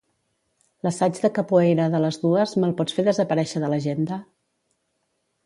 L'assaig de capoeira de les dues me'l pots fer desaparèixer de l'agenda?